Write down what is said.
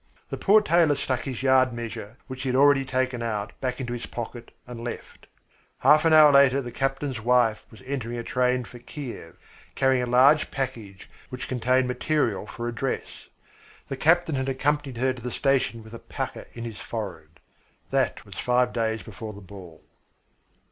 The poor tailor stuck his yard measure, which he had already taken out, back into his pocket and left. Half an hour later the captain's wife was entering a train for Kiev, carrying a large package which contained material for a dress. The captain had accompanied her to the station with a pucker in his forehead. That was five days before the ball.